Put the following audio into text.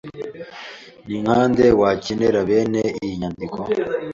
Ni nka nde wakenera bene iyi nyandiko?